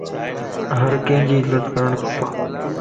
ھرڪي جي عزت ڪرڻ کپ